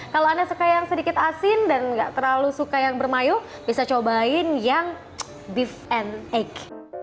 kalau anda suka yang sedikit asin dan nggak terlalu suka yang bermayu bisa cobain yang beef and egg